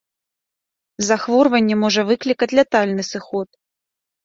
Захворванне можа выклікаць лятальны сыход.